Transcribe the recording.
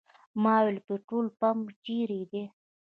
ما وویل پټرول پمپ چېرې دی.